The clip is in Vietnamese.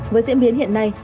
với diễn biến hiện nay